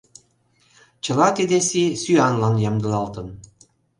Чыла тиде сий сӱанлан ямдылалтын.